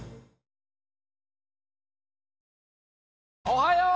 おはよう！